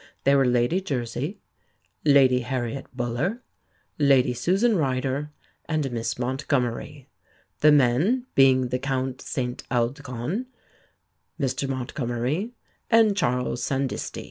They were Lady Jersey, Lady Harriet Buller, Lady Susan Ryder, and Miss Montgomery; the men being the Count St Aldegonde, Mr Montgomery, and Charles Standisti."